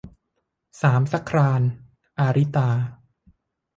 สามสะคราญ - อาริตา